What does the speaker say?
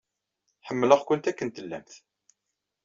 Ḥemmleɣ-kent akken tellamt.